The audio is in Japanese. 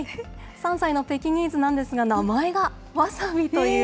３歳のペキニーズなんですが、名前がワサビという。